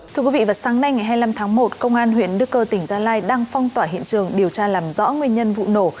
thưa quý vị vào sáng nay ngày hai mươi năm tháng một công an huyện đức cơ tỉnh gia lai đang phong tỏa hiện trường điều tra làm rõ nguyên nhân vụ nổ